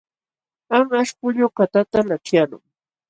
Anqaśh pullukatata laćhyaqlun.